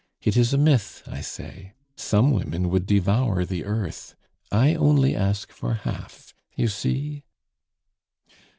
It is a myth, I say; some women would devour the earth, I only ask for half. You see?"